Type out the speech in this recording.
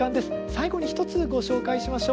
最後に一つご紹介しましょう。